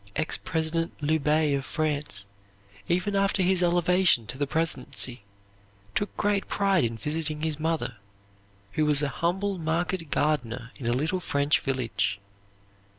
Ex President Loubet of France, even after his elevation to the presidency, took great pride in visiting his mother, who was a humble market gardener in a little French village.